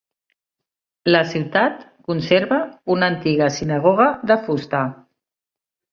La ciutat conserva una antiga sinagoga de fusta.